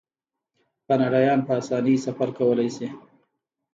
کاناډایان په اسانۍ سفر کولی شي.